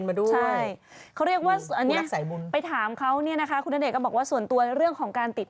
ฟังเพลงใหนโดนทุกเพลงส์ครับ